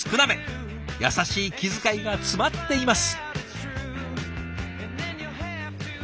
優しい気遣いが詰まっています。